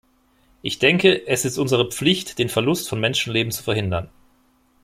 Ich denke, es ist unsere Pflicht, den Verlust von Menschenleben zu verhindern.